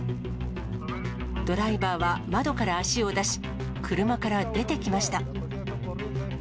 ドライバーは窓から足を出し、車から出てきました。